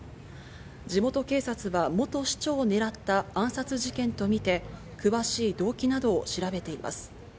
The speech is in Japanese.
地元警察は、元市長を狙った暗殺事件とみて詳しい動機などを調べています。